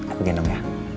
aku gendong ya